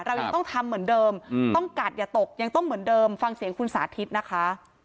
เรายังต้องทำเหมือนเดิมต้องกัดอย่าตกยังต้องเหมือนเดิมฟังเสียงคุณสาธิตนะคะ